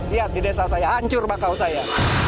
lihat di desa saya hancur bakau saya